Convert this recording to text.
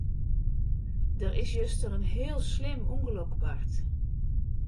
Der is juster in heel slim ûngelok bard.